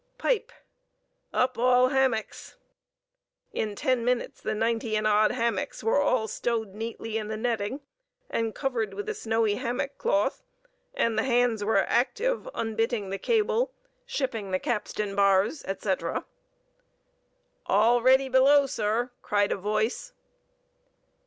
(Pipe.) "Up all hammocks!" In ten minutes the ninety and odd hammocks were all stowed neatly in the netting, and covered with a snowy hammock cloth; and the hands were active, unbitting the cable, shipping the capstan bars, etc. "All ready below, sir," cried a voice.